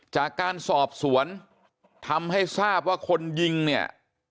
จากการสอบสวนทำให้ทราบว่าคนยิงเนี่ย